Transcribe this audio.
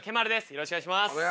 よろしくお願いします。